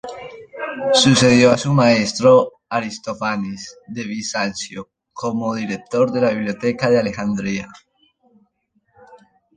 Sucedió a su maestro Aristófanes de Bizancio como director de la Biblioteca de Alejandría.